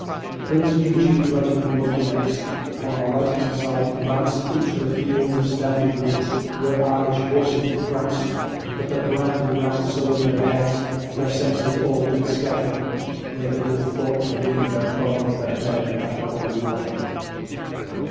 Prince Eugene's regiment was the next, on our right hand advancedInto a field of standing wheat, where Irish horses pranced; But the brandy ran so in their heads, their senses all did scatter, They little thought to leave their bones that day at the Boyne Water.